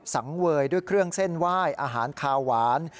สังเวยด้วยเครื่องเส้นไหว้อาหารคาหวาน